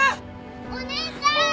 お姉ちゃん。